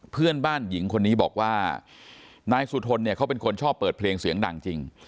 เพื่อนบ้านหญิงคนนี้บอกว่านายสุธนเนี่ยเขาเป็นคนชอบเปิดเพลงเสียงดังจริง